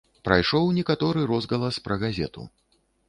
Прайшоў некаторы розгалас пра газету.